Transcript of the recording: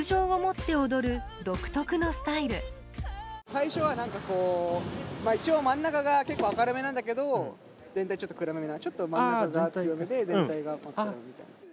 最初は何かこう一応真ん中が結構明るめなんだけど全体ちょっと暗めなちょっと真ん中が強めで全体が真っ暗みたいな。